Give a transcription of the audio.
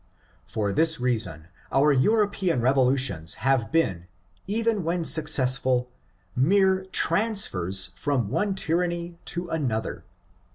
For this reason our European revo lutions have been, even when successful, mere transfers from one tyranny to another.